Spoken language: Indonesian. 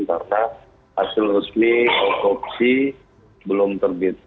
karena hasil resmi autopsi belum terbit